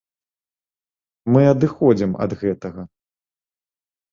Мы адыходзім ад гэтага.